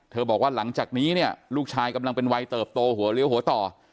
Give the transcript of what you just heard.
บอกว่าหลังจากนี้เนี่ยลูกชายกำลังเป็นวัยเติบโตหัวเลี้ยวหัวต่อ